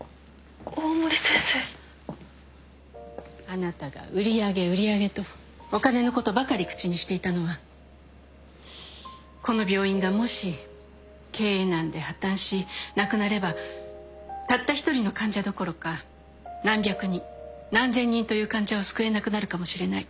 あなたが売り上げ売り上げとお金のことばかり口にしていたのはこの病院がもし経営難で破綻しなくなればたった一人の患者どころか何百人何千人という患者を救えなくなるかもしれない。